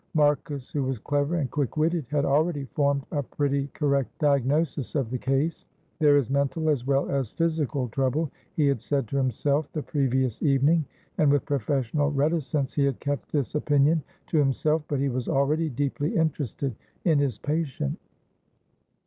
Marcus, who was clever and quick witted, had already formed a pretty correct diagnosis of the case. "There is mental as well as physical trouble," he had said to himself the previous evening, and with professional reticence he had kept this opinion to himself, but he was already deeply interested in his patient.